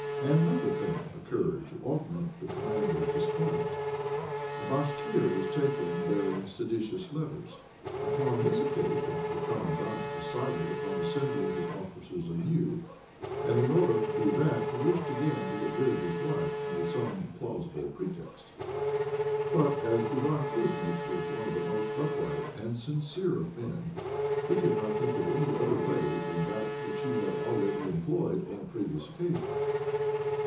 Another thing occurred to augment the Commandant's disquiet; a Bashkir was taken bearing seditious letters. Upon this occasion the Commandant decided upon assembling his officers anew, and in order to do that he wished again to get rid of his wife under some plausible pretext. But as Iván Kouzmitch was one of the most upright and sincere of men he could not think of any other way than that which he had already employed on a previous occasion.